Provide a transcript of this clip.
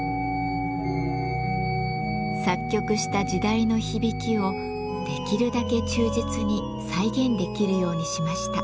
作曲した時代の響きをできるだけ忠実に再現できるようにしました。